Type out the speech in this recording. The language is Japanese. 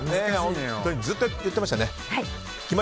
ずっとやってましたね。